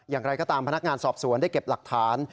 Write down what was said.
อย่างไรก็ตามพนักงานสอบสวนได้เก็บหลักฐาน